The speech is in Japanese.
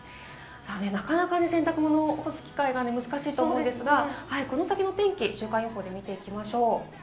なかなか洗濯物を干す機会が難しそうですが、この先の天気、週間予報で見ていきましょう。